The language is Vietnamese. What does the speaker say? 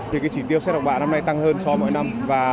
thì cái chỉ tiêu xét học bạ năm nay tăng hơn so với mỗi năm và